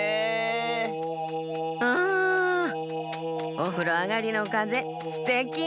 おふろあがりのかぜすてき！